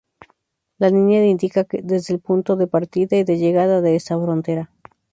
La línea indica desde el punto de partida y de llegada de esta frontera.